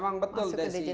memang betul desy